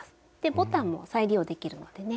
ボタンも再利用できるのでね